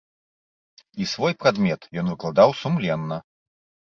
І свой прадмет ён выкладаў сумленна.